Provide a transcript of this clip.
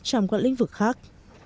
trong các lĩnh vực khác